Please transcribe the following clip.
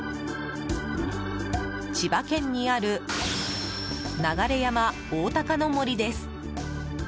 千葉県にある流山おおたかの森です。